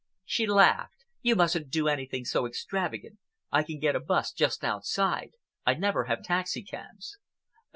She laughed. "You mustn't do anything so extravagant. I can get a 'bus just outside. I never have taxicabs."